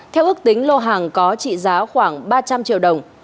theo ước tính lô hàng có trị giá khoảng ba trăm linh triệu đồng